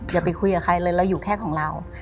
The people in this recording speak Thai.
อย่าไปคุยกับใครเลยเราอยู่แค่ของเรา